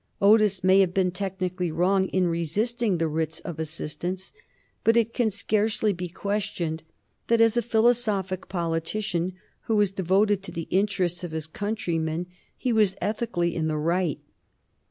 Otis may have been technically wrong in resisting the Writs of Assistance, but it can scarcely be questioned that as a philosophic politician, who was devoted to the interests of his countrymen, he was ethically in the right.